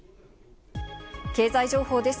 経済情報です。